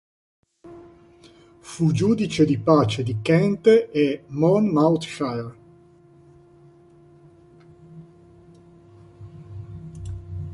Fu giudice di pace di Kent e Monmouthshire.